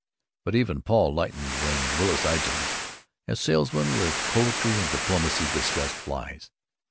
But even Paul lightened when Willis Ijams, a salesman with poetry and diplomacy, discussed flies.